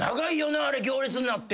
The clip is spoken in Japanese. なあれ行列になって。